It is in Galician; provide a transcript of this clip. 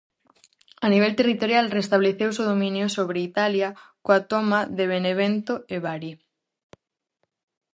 A nivel territorial restableceuse o dominio sobre Italia coa toma de Benevento e Bari.